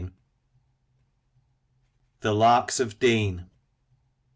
THE LARKS OF DEAN.